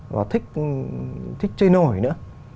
và thích chơi nổi nữa